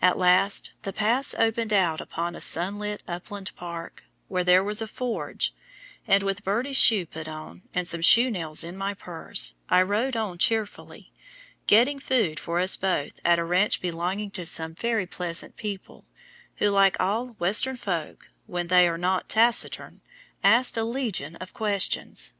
At last the Pass opened out upon a sunlit upland park, where there was a forge, and with Birdie's shoe put on, and some shoe nails in my purse, I rode on cheerfully, getting food for us both at a ranch belonging to some very pleasant people, who, like all Western folk, when they are not taciturn, asked a legion of questions.